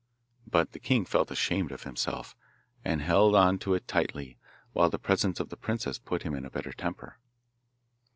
But the king felt ashamed of himself, and held on to it tightly, while the presence of the princess put him in a better temper.